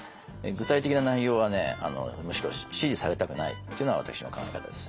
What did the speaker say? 具体的な内容はむしろ指示されたくないっていうのが私の考え方です。